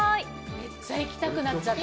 めっちゃ行きたくなっちゃった。